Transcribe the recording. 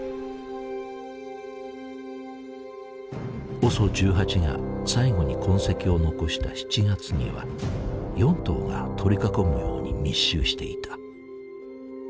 ＯＳＯ１８が最後に痕跡を残した７月には４頭が取り囲むように密集していた。